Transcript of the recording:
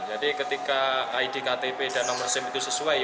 jadi ketika id ktp dan nomor sim itu sesuai